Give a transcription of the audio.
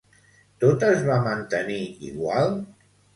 Tot es va mantenir igual?